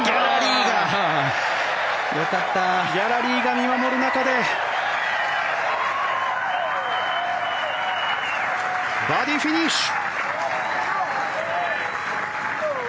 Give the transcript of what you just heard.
ギャラリーが見守る中でバーディーフィニッシュ。